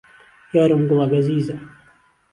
یارم گوڵە گەزیزە